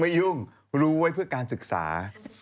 ยุ่งรู้ไว้เพื่อการศึกษา